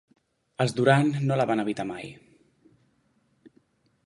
Els Durant no la van habitar mai.